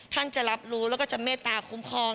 ท่านจะรับรู้แล้วก็จะเมตตาคุ้มครอง